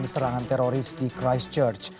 serangan teroris di christchurch